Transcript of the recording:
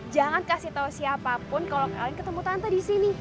jangan kasih tahu siapapun kalau kalian ketemu tante di sini